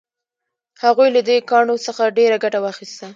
هغوی له دې کاڼو څخه ډیره ګټه واخیسته.